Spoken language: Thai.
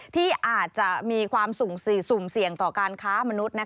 ที่อาจจะมีความสูงเสี่ยงต่อการค้ามนุษย์